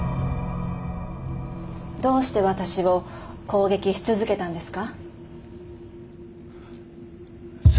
どうして私を攻撃し続けたんですか？